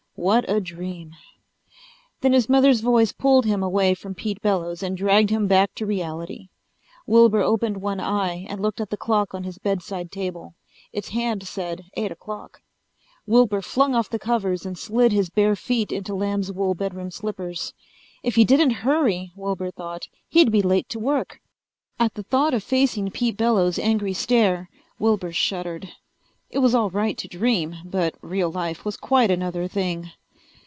What a dream! Then his mother's voice pulled him away from Pete Bellows and dragged him back to reality. Wilbur opened one eye and looked at the clock on his bedside table. Its hand said eight o'clock. Wilbur flung off the covers and slid his bare feet into lamb's wool bedroom slippers. If he didn't hurry, Wilbur thought, he'd be late to work. At the thought of facing Pete Bellows' angry stare Wilbur shuddered. It was all right to dream, but real life was quite another thing.